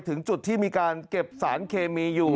ถึงจุดที่มีการเก็บสารเคมีอยู่